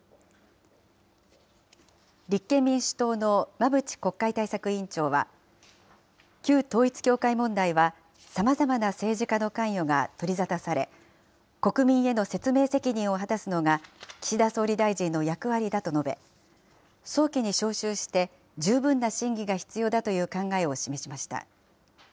立憲民主党の馬淵国会対策委員長は、旧統一教会問題はさまざまな政治家の関与が取り沙汰され、国民への説明責任を果たすのが岸田総理大臣の役割だと述べ、早期に召集して十分な審議が必要だという考えを示しました。